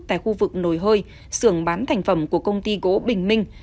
tại khu vực nồi hơi sưởng bán thành phẩm của công ty gỗ bình minh